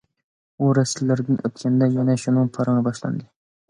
ئۇ رەستىلەردىن ئۆتكەندە، يەنە شۇنىڭ پارىڭى باشلاندى.